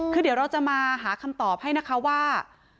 คือเดี๋ยวเราจะมาหาคำตอบให้นะคะว่า